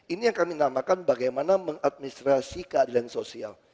ini yang kami namakan bagaimana mengadministrasi keadilan sosial